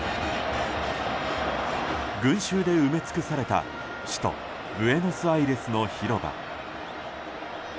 群衆で埋め尽くされた首都ブエノスアイレスの広場。